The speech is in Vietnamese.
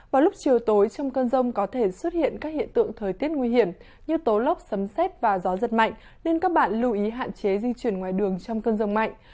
vào lúc chiều tối trong cơn rông có thể xuất hiện các hiện tượng thời tiết nguy hiểm như tố lốc sấm xét và gió giật mạnh nên các bạn lưu ý hạn chế di chuyển ngoài đường trong cơn rông mạnh